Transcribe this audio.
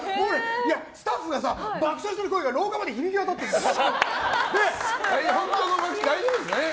スタッフが爆笑してる声が廊下まで響き渡ってるんだよ。